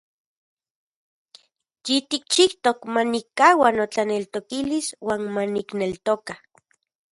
Yitikchijtok manikkaua notlaneltokilis uan manikneltoka.